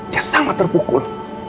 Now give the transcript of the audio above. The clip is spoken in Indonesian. dia sangat terpukul